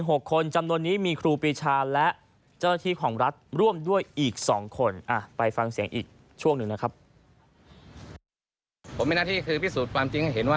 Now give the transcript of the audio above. โอ้โหขีดเส้นตาเลยนะ